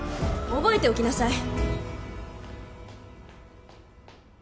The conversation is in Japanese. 覚えておきなさい。